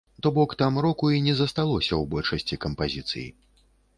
То бок там року і не засталося ў большасці кампазіцый.